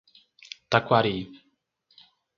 Taquari